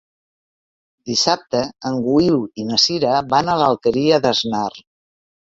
Dissabte en Guiu i na Sira van a l'Alqueria d'Asnar.